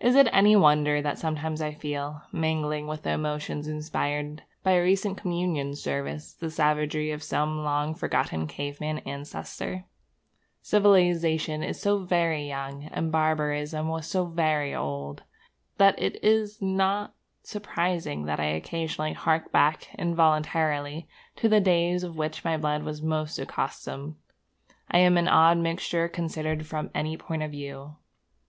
Is it any wonder that sometimes I feel, mingling with the emotions inspired by a recent communion service, the savagery of some long forgotten caveman ancestor? Civilization is so very young, and barbarism was so very old, that it is not surprising that I occasionally hark back involuntarily to the days to which my blood was most accustomed. I am an odd mixture considered from any point of view.